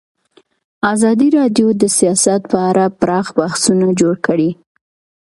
ازادي راډیو د سیاست په اړه پراخ بحثونه جوړ کړي.